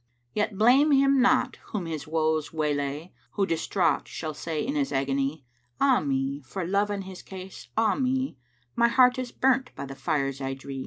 Yet blame him not whom his woes waylay * Who distraught shall say in his agony, 'Ah me, for Love and his case, ah me: My heart is burnt by the fires I dree!'